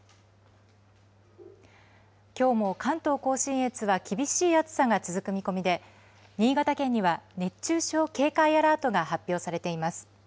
きょうも関東甲信越は厳しい暑さが続く見込みで、新潟県には熱中症警戒アラートが発表されています。